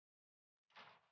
asik banget padanya